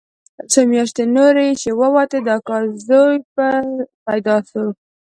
څو مياشتې نورې چې ووتې د اکا زوى پيدا سو.